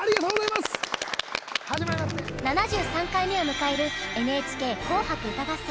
７３回目を迎える「ＮＨＫ紅白歌合戦」。